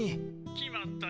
決まったよ